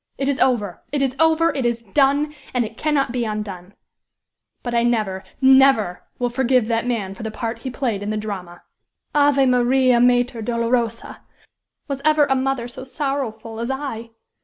It is over! it is over! it is done! and it cannot be undone! But I never never will forgive that man for the part he played in the drama!" "Ave Maria, Mater Dolorosa! Was ever a mother so sorrowful as I?